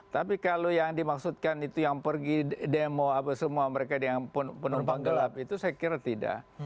tapi kalau yang dimaksudkan itu yang pergi demo apa semua mereka yang penumpang gelap itu saya kira tidak